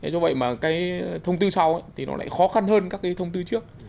do vậy mà cái thông tư sau thì nó lại khó khăn hơn các cái thông tư trước